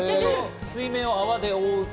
水面を泡で覆うと。